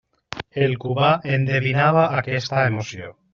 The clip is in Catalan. El Cubà endevinava aquesta emoció.